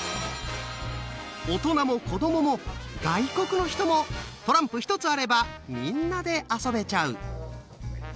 大人も子どもも外国の人もトランプ一つあればみんなで遊べちゃう！